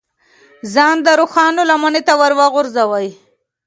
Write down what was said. ځان د روسانو لمنې ته وغورځوي.